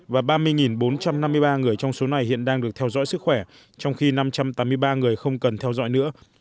và ba mươi bốn trăm năm mươi ba người trong số này hiện đang được theo dõi sức khỏe trong khi năm trăm tám mươi ba người không cần theo dõi nữa